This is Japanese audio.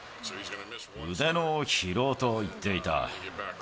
腕の疲労と言っていた。